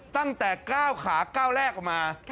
ตั้งแต่๙ขา๙แรกออกมา